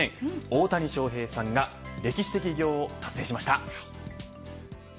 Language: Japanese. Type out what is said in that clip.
大谷翔平さんが歴史的偉業を達成しました。